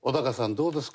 どうですか？